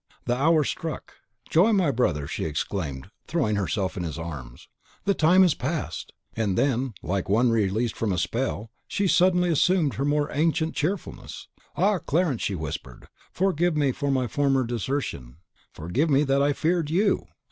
The hour struck. "Joy, my brother!" she exclaimed, throwing herself in his arms; "the time is past!" And then, like one released from a spell, she suddenly assumed more than her ancient cheerfulness. "Ah, Clarence!" she whispered, "forgive me for my former desertion, forgive me that I feared YOU.